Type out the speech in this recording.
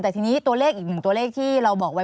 แต่ทีนี้ตัวเลขอีกหนึ่งตัวเลขที่เราบอกไว้